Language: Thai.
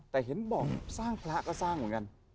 แต่เห็นบอกสร้างพระก็สร้างเหมือนกัน